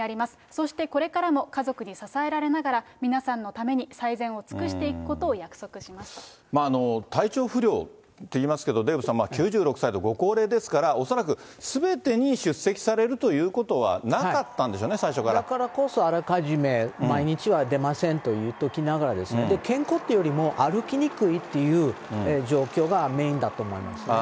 そして、これからも家族に支えられながら、皆さんのために最善を体調不良って言いますけど、デーブさん、９６歳でご高齢ですから、恐らくすべてに出席されるということはなかったんですよね、最初だからこそ、あらかじめ毎日は出ませんと言っときながら、健康っていうよりも、歩きにくいっていう状況がメーンだと思いますね。